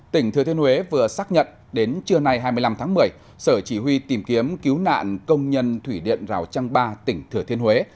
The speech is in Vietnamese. tỉnh thừa thiên huế vừa xác nhận đến trưa nay hai mươi năm tháng một mươi sở chỉ huy tìm kiếm cứu nạn công nhân thủy điện rào trăng ba tỉnh thừa thiên huế